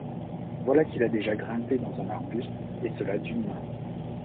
voilà qu’il a déjà grimpé dans un arbuste, et cela d’une main !